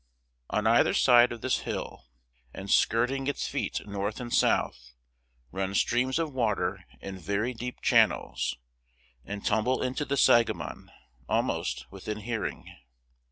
On either side of this hill, and skirting its feet north and south, run streams of water in very deep channels, and tumble into the Sangamon almost within hearing.